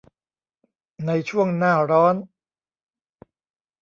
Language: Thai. ในช่วงหน้าร้อน